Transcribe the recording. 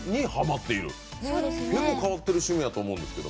変わっている趣味やと思うんですけど。